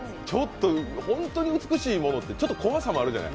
本当に美しいものって、ちょっと怖さもあるじゃない。